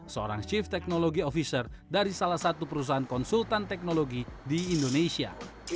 seorang chief technology officer dari salah satu perusahaan konsultan teknologi di indonesia